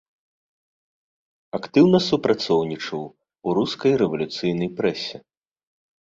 Актыўна супрацоўнічаў у рускай рэвалюцыйнай прэсе.